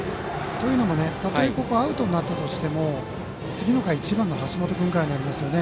というのも、たとえここでアウトになったとしても次の回、１番の橋本君からになりますよね。